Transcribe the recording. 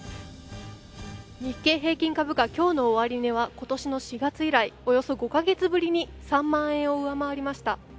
日経平均株価、きょうの終値はことしの４月以来、およそ５か月ぶりに３万円を上回りました。